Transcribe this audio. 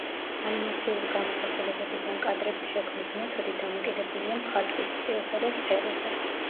ანიმაციური გამოსახულებების ან კადრების შექმნის მეთოდი დამოკიდებულია მხატვრის სტილსა და სფეროზე.